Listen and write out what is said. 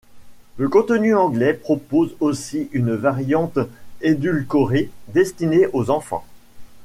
Le contenu anglais propose aussi une variante édulcorée, destinée aux enfants.